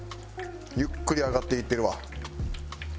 ゆっくり揚がっていってるわ。